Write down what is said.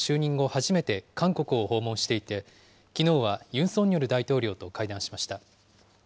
初めて、韓国を訪問していて、きのうはユン・ソンニョル大統領と会談しました。